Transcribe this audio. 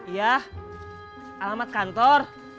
iya alamat kantor